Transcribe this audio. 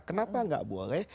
kenapa nggak boleh